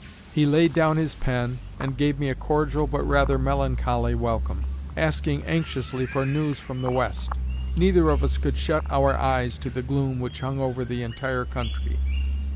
He laid down his pen and gave me a cordial but rather melancholy welcome, asking anxiously for news from the West. Neither of us could shut our eyes to the gloom which hung over the entire country.